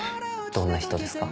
どんな人ですか？